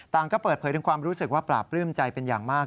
ก็เปิดเผยถึงความรู้สึกว่าปราบปลื้มใจเป็นอย่างมาก